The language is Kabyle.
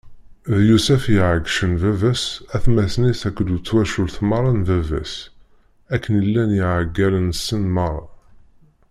D Yusef i yeɛeggcen baba-s, atmaten-is akked twacult meṛṛa n baba-s, akken i llan iɛeggalen-nsen meṛṛa.